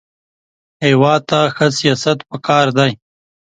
هېواد ته ښه سیاست پکار دی